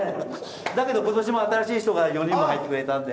だけど今年も新しい人が４人も入ってくれたんで。